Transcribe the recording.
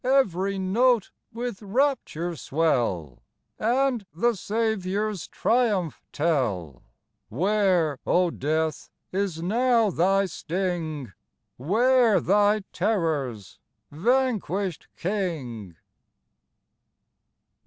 99 Every note with rapture swell, And the Saviour's triumph tell : Where, O death, is now thy sting ? Where, thy terrors, vanquished king